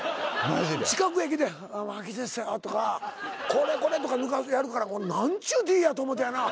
近くへ来て巻きでとかこれこれとかやるから何ちゅうＤやと思うてやな。